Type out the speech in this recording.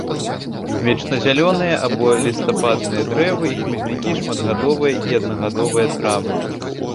Вечназялёныя або лістападныя дрэвы і хмызнякі, шматгадовыя і аднагадовыя травы.